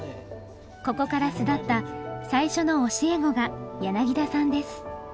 ここから巣立った最初の教え子が柳田さんです。